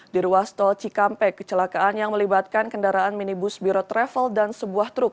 di ruas tol cikampek kecelakaan yang melibatkan kendaraan minibus biro travel dan sebuah truk